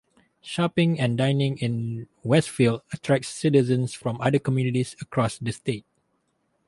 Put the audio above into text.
Shopping and dining in Westfield attracts citizens from other communities across the state.